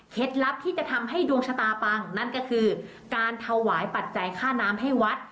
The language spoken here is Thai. ลับที่จะทำให้ดวงชะตาปังนั่นก็คือการถวายปัจจัยค่าน้ำให้วัด